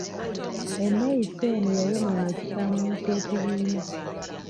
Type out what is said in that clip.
Enneyisa eno yayonoona ekifaananyi ky'ekibiina.